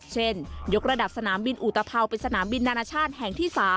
เช่นยกระดับสนามบินอุตภาวเป็นสนามบินนานาชาติแห่งที่๓